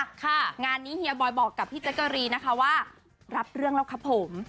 งานนี้เฮียบอยบอกกับพี่แจ๊กกะรีนะคะว่ารับเรื่องแล้วครับผม